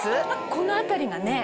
この辺りがね。